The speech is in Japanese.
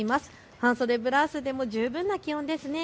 半袖ブラウスでも十分な気温です。